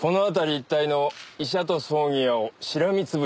一帯の医者と葬儀屋をしらみつぶしに当たる事だ。